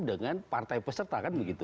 dengan partai peserta